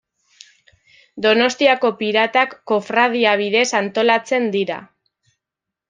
Donostiako Piratak kofradia bidez antolatzen dira.